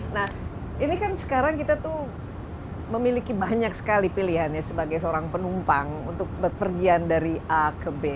nah ini kan sekarang kita tuh memiliki banyak sekali pilihannya sebagai seorang penumpang untuk berpergian dari a ke b